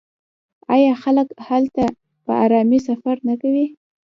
آیا خلک هلته په ارامۍ سفر نه کوي؟